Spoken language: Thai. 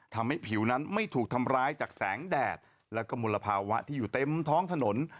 ทำให้ผิวนั้นไม่ถูกทำร้ายจากแสงแดดแล้วก็มลภาวะที่อยู่เต็มท้องถนน